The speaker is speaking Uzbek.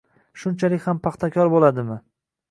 Shunchalik ham paxtakor bo'ladimi?